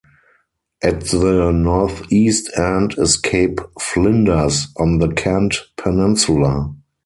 At the northeast end is Cape Flinders on the Kent Peninsula.